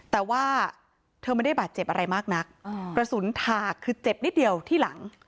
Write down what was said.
แต่ว่าเธอไม่ได้บาดเจ็บอะไรมากนักกระสุนถากคือเจ็บนิดเดียวที่หลัง